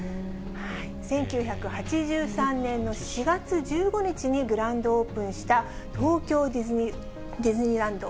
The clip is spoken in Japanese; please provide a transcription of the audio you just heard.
１９８３年の４月１５日にグランドオープンした東京ディズニーランド。